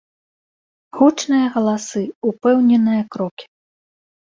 Гучныя галасы, упэўненыя крокі.